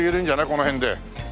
この辺で。